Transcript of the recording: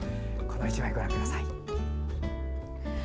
この１枚ご覧ください。